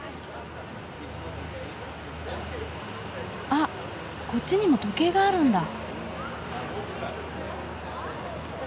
あっこっちにも時計があるんだ。